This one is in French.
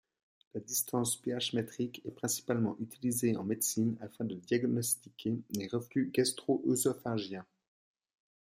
La distance pH-métrique est principalement utilisée en médecine afin de diagnostiquer le reflux gastro-oesophagien.